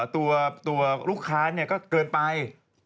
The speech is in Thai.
ตัวลูกค้าเนี่ยก็เกินไป